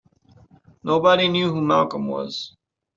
Nobody knew who Malcolm was.